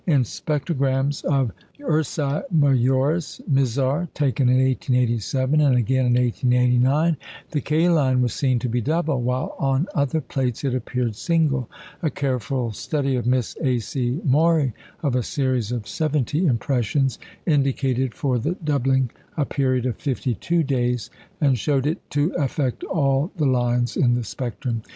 In "spectrograms" of Zeta Ursæ Majoris (Mizar), taken in 1887, and again in 1889, the K line was seen to be double; while on other plates it appeared single. A careful study of Miss A. C. Maury of a series of seventy impressions indicated for the doubling a period of fifty two days, and showed it to affect all the lines in the spectrum.